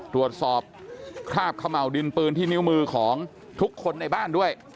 ตรวจสอบคราบเขม่าวดินปืนที่นิ้วมือของทุกคนในบ้านด้วย